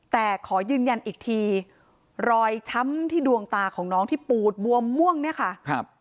แต่ขอยืนยันอีกทีรอยช้ำที่ดวงตาของน้องที่ปูดบวมม่วงเนี่ยค่ะ